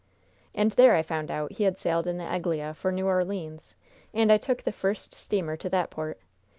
"And there I found out he had sailed in the Eglea for New Orleans, and I took the first steamer to that port.